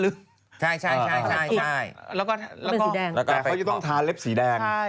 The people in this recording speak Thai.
แต่จะต้องถาเล็บสีแดง